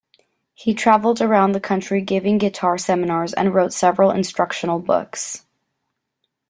He traveled around the country giving guitar seminars, and wrote several instructional books.